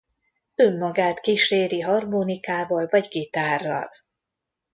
Önmagát kíséri harmonikával vagy gitárral.